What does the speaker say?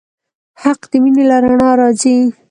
حق د مینې له رڼا راځي.